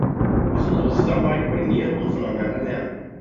Wir müssen unsere Zusammenarbeit koordinieren und voneinander lernen.